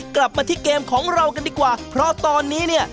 กลับมาที่เกมของเรากันดีกว่าเพราะตอนนี้เนี่ย